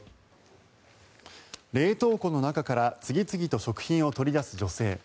冷凍庫の中から次々と食品を取り出す女性。